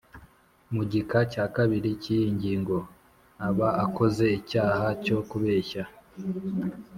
Mu gika cya kabiri cy’iyi ngingo aba akoze icyaha cyo kubeshya